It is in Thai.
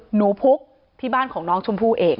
หนูพุกที่บ้านของน้องชมพู่เอง